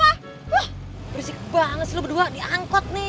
wah berisik banget sih lo berdua diangkut nih